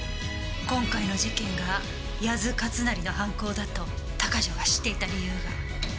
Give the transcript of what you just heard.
今回の事件が谷津勝成の犯行だと鷹城が知っていた理由が。